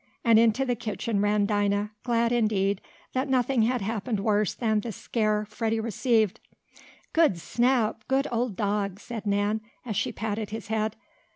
and into the kitchen ran Dinah, glad, indeed, that nothing had happened worse than the scare Freddie received. "Good Snap! Good old dog!" said Nan, as she patted his head.